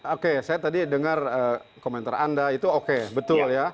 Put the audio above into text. oke saya tadi dengar komentar anda itu oke betul ya